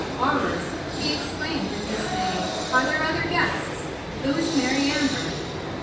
"Horrors!" he exclaimed in dismay "Are there other guests? Who is Mary Amber?"